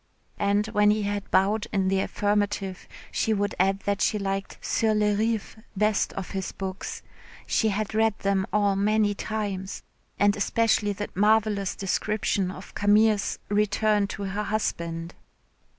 And when he had bowed in the affirmative, she would add that she liked "Sur les Rives" best of his books "she had read them all many times and especially that marvellous description of Camille's return to her husband."